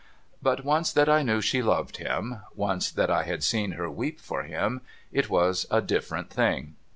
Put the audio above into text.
But, once that I knew she loved him, — once that I had seen her weep for him, — it was a different thing.